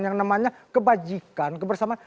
yang namanya kebajikan kebersamaan